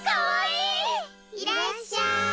いらっしゃい。